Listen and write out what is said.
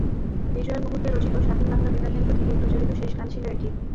বিজয়ের মুহূর্তে রচিত স্বাধীন বাংলা বেতারকেন্দ্র থেকে প্রচারিত শেষ গান ছিল এটি।